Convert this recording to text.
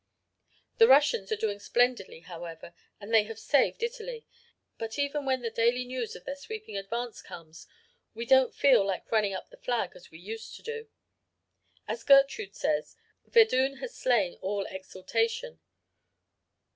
"The Russians are doing splendidly, however, and they have saved Italy. But even when the daily news of their sweeping advance comes we don't feel like running up the flag as we used to do. As Gertrude says, Verdun has slain all exultation.